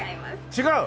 違う？